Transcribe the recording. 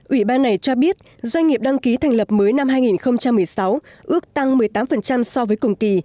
ủy ban này cho biết doanh nghiệp đăng ký thành lập mới năm hai nghìn một mươi sáu ước tăng một mươi tám so với cùng kỳ